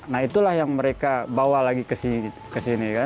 nah itulah yang mereka bawa lagi ke sini kan